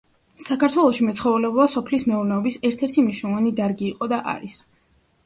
საქართველოში მეცხოველეობა სოფლის მეურნეობის ერთ-ერთი მნიშვნელოვანი დარგი იყო და არის.